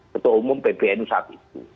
ketua umum pbnu saat itu